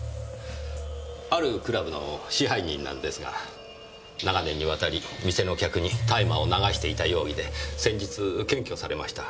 あるクラブの支配人なんですが長年にわたり店の客に大麻を流していた容疑で先日検挙されました。